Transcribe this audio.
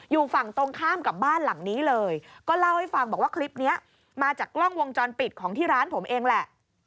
อยู่ฝั่งตรงข้ามกับบ้านหลังนี้เลยก็เล่าให้ฟังบอกว่าคลิปนี้มาจากกล้องวงจรปิดของที่ร้านผมเองแหละ